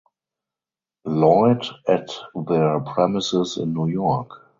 Lloyd at their premises in New York.